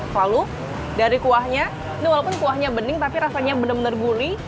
lalu dari kuahnya ini walaupun kuahnya bening tapi rasanya benar benar gurih